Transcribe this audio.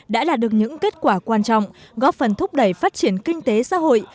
đã là được những kết quả quan trọng góp phần thúc đẩy phát triển kinh tế xã hội